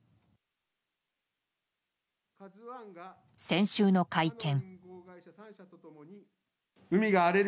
先週の会見。